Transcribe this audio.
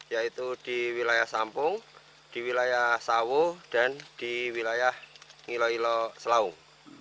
yaitu di wilayah sampung di wilayah sawo dan di wilayah ngiloilo selaung